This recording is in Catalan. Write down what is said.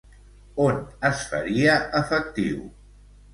On es faria efectiu?